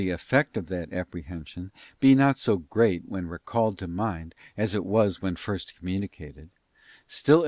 235 effect of that apprehension be not so great when recalled to mind as it was when it was first communicated, still at